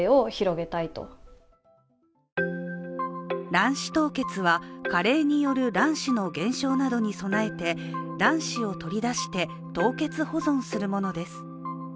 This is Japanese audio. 卵子凍結は加齢による卵子の減少などに備えて卵子を取り出して、凍結保存するものです。